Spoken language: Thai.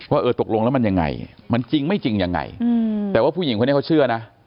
เออตกลงแล้วมันยังไงมันจริงไม่จริงยังไงแต่ว่าผู้หญิงคนนี้เขาเชื่อนะ